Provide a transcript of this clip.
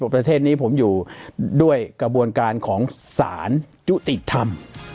ประเทศนี้ผมอยู่ด้วยกระบวนการของศาลยุติธรรม